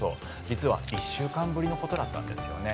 実は１週間ぶりのことだったんですよね。